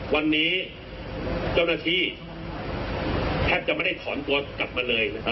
วันนี้เจ้านาทีแทบจะไม่ได้ขอนตัวกลับมาเลย